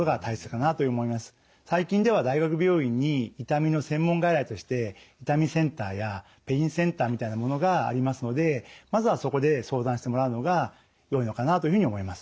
最近では大学病院に痛みの専門外来として痛みセンターやペインセンターみたいなものがありますのでまずはそこで相談してもらうのがよいのかなというふうに思います。